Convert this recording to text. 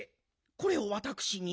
これをわたくしに？